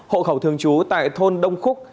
hộ khẩu thường trú tại thôn đông khúc